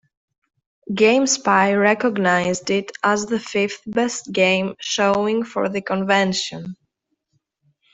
GameSpy recognized it as the fifth best game showing for the convention.